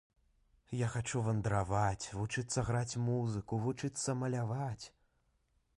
Я хачу вандраваць, вучыцца граць музыку, вучыцца маляваць.